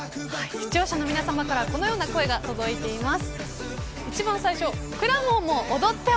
視聴者の皆さまからこのような声が届いています。